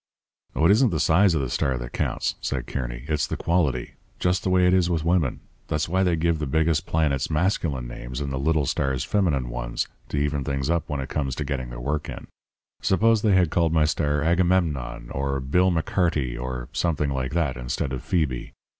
"'It isn't the size of the star that counts,' said Kearny; 'it's the quality. Just the way it is with women. That's why they give the biggest planets masculine names, and the little stars feminine ones to even things up when it comes to getting their work in. Suppose they had called my star Agamemnon or Bill McCarty or something like that instead of Phoebe.